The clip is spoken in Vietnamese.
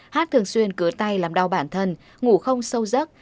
hát thường xuyên cứa tay làm đau bản thân ngủ không sâu giấc